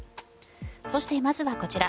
そして、まずはこちら。